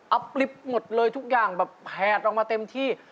ล็อคลิปหมดเลยทุกอย่างแผดออกมาเต็มที่